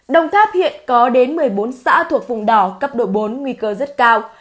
đồng tháp hiện có đến một mươi bốn xã thuộc vùng đỏ cấp độ bốn nguy cơ rất cao